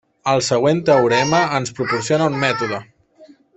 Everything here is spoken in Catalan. El següent teorema ens proporciona un mètode.